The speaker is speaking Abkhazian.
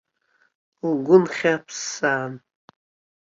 Лгәы нхьаԥсаан.